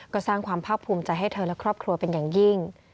ก็สร้างความภาคภูมิใจให้เธอและครอบครัวเป็นอย่างยิ่ง